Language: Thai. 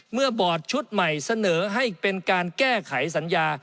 บอร์ดชุดใหม่เสนอให้เป็นการแก้ไขสัญญา